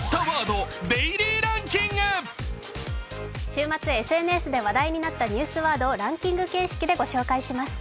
週末、ＳＮＳで話題になったワードをランキング形式でご紹介します。